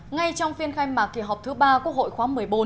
ngay trong phiên khai mạc thìa họp thứ ba của hội khóa một mươi bốn